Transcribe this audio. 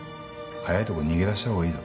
早いとこ逃げ出したほうがいいぞ。